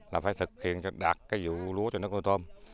là phải thực hiện đạt cái vụ lúa cho nước nuôi tôm